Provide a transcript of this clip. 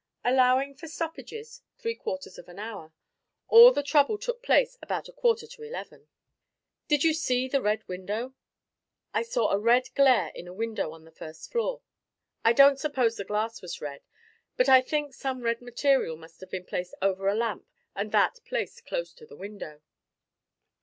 "Allowing for stoppages, three quarters of an hour. All the trouble took place about a quarter to eleven." "Did you see the Red Window?" "I saw a red glare in a window on the first floor. I don't suppose the glass was red, but think some red material must have been placed over a lamp and that placed close to the window."